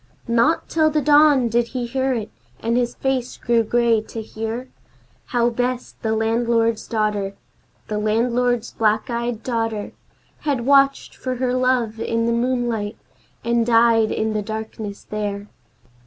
Not till the dawn did he hear it, and his face grew grey to hear How Bess, the landlord's daughter, The landlord's black eyed daughter, Had watched for her love in the moonlight, and died in the darkness there.